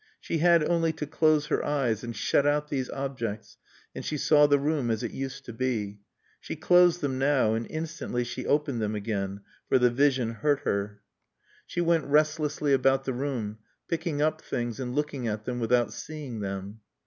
She had only to close her eyes and shut out these objects and she saw the room as it used to be. She closed them now and instantly she opened them again, for the vision hurt her. She went restlessly about the room, picking up things and looking at them without seeing them.